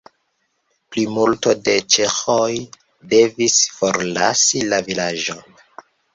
Plimulto de ĉeĥoj devis forlasi la vilaĝon.